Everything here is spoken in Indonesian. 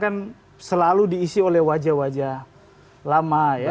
karena kan selalu diisi oleh wajah wajah lama ya